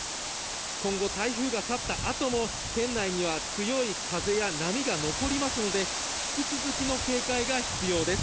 今後、台風が去ったあとも、県内には強い風や波が残りますので、引き続きの警戒が必要です。